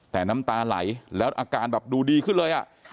แต่น้ำตาไหลแล้วอาการแบบดูดีขึ้นเลย